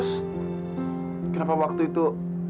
terus kenapa waktu itu